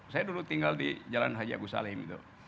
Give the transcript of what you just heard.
saya dulu tinggal di jalan haji agus salim